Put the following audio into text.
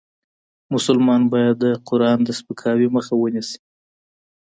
مسلمان باید د قرآن د سپکاوي مخه ونیسي .